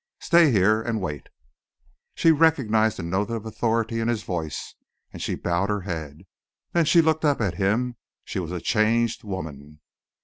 Stay here and wait." She recognised the note of authority in his tone, and she bowed her head. Then she looked up at him; she was a changed woman.